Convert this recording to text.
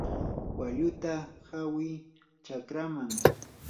walluta hawi chakraman.